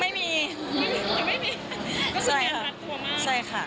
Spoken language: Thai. ไม่มีไม่มีไม่มีใช่ค่ะใช่ค่ะ